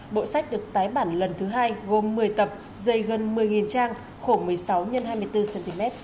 bộ sách được tái bản lần thứ hai gồm một mươi tập dày gần một mươi trang khổ một mươi sáu x hai mươi bốn cm